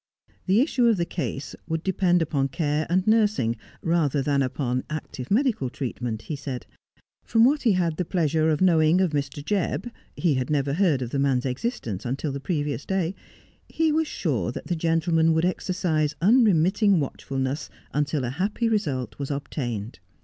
The issue of the case would depend upon care and nursing rather than upon active medical treatment, he said. From what he had the pleasure of knowing of Mr. Jebb — he had never heard of the man's existence until the previous day — he was sure that gentle man would exercise unremitting watchfulness until a happy result was obtained.